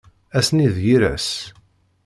Ass-nni d yir ass.